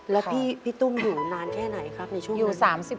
แล้วพี่ตุ้มอยู่นานแค่ไหนครับในช่วงอยู่๓๐